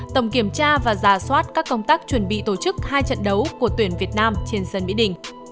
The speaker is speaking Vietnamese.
tổng kiểm tra và giả soát các công tác chuẩn bị tổ chức hai trận đấu của tuyển việt nam trên sân mỹ đình